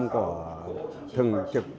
của thường trực